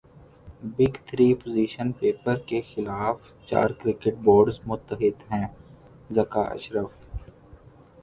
big three position paper کے خلاف چار کرکٹ بورڈز متحد ہیںذکا اشرف